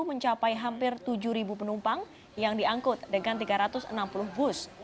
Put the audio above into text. mencapai hampir tujuh penumpang yang diangkut dengan tiga ratus enam puluh bus